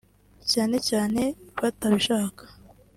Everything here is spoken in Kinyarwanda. cyane cyane batabishaka